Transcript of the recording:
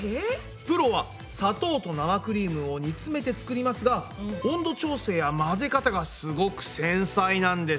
プロは砂糖と生クリームを煮詰めて作りますが温度調整や混ぜ方がすごく繊細なんです。